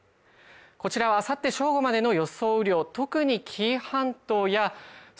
こちらはあさって正午までの予想